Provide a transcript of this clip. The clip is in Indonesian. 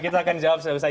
kita akan jawab selesai